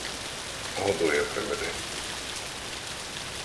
— Годоя приведи.